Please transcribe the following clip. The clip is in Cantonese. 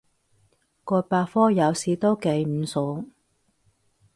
個百科有時都幾唔爽